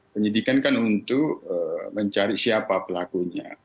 penyidikan kan untuk mencari siapa pelakunya